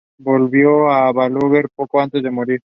Volvió a Balaguer poco antes de morir.